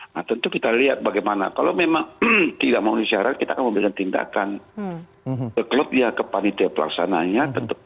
nah tentu kita lihat bagaimana kalau memang tidak mau disiarkan kita akan melakukan tindakan ke klub ya ke panitia pelaksananya